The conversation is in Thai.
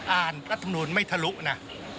อ่านรัฐธรรมนุนไม่ทะลุนะ